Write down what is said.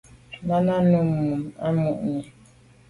Nu Nana nu am à nu i.